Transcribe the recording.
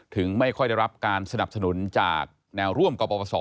ไม่ค่อยได้รับการสนับสนุนจากแนวร่วมกรปศ